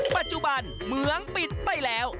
ปัจจุบันเหมืองปิดไปแล้ว